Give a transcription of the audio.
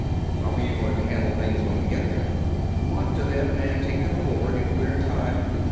"How are you going to handle things when we get there?" "Lock to them and take them aboard, if we're in time.